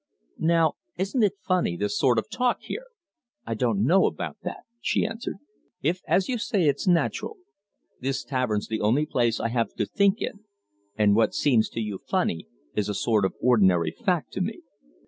Now isn't it funny, this sort of talk here?" "I don't know about that," she answered, "if, as you say, it's natural. This tavern's the only place I have to think in, and what seems to you funny is a sort of ordinary fact to me."